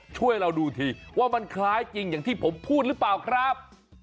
ช่วยเราดูทีว่ามันคล้ายจริงอย่างที่ผมพูดหรือเปล่าครับ